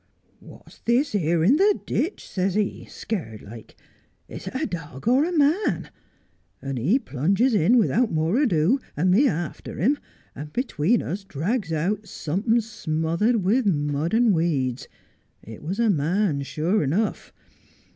' What's this here in the ditch,' says he, scared like. ' Is it a dog or a man 1 ' and he plunges in without more ado, and me after him, and between us drags out something smothered with mud and weeds ; it was a man sure enough.